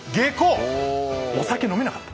お酒飲めなかった。